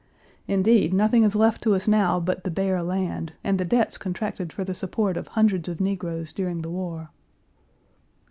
Indeed, nothing is left to us now but the bare land, and the debts contracted for the support of hundreds of negroes during the war.